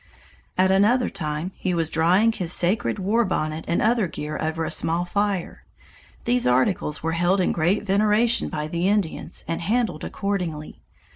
At another time he was drying his sacred war bonnet and other gear over a small fire. These articles were held in great veneration by the Indians and handled accordingly.